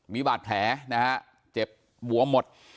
มีบาดแผลนะฮะเจ็บบวมหมด